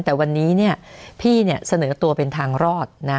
แต่วันนี้พี่เสนอตัวเป็นทางรอดนะ